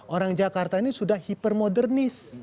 orang jakarta ini sudah hipermodernis